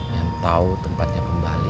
yang tahu tempatnya pembali